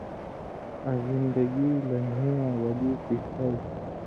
آں زِن٘دگی لَن٘گَھیں یاں ولی سِڇھیائ۔